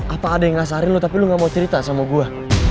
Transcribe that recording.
apa ada yang ngasarin lo tapi lu gak mau cerita sama gue